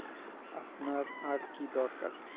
আপনার আর কী দরকার?